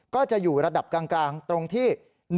ก็จะอยู่ระดับกลางตรงที่